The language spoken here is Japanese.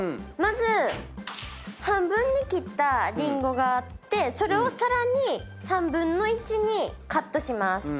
まず半分に切ったりんごがあってそれをさらに３分の１にカットします。